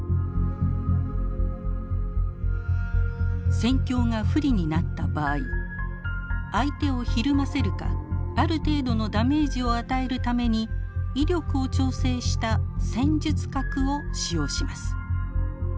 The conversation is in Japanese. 戦況が不利になった場合相手をひるませるかある程度のダメージを与えるために威力を調整した戦術核を使用します。